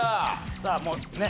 さあもうねっ。